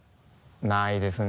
ないですね。